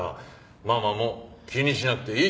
ママはもう気にしなくていい。